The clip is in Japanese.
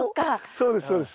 そうですそうです。